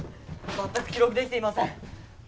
全く記録できていません。